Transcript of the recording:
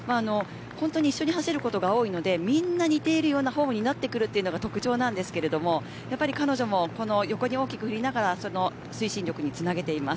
一緒に走ることが多いのでみんな似ているようなフォームになってくるというのが特徴なんですが彼女も横に大きく振りながらその推進力につなげています。